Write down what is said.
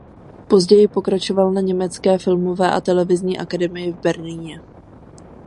Později pokračoval na Německé filmové a televizní akademii v Berlíně.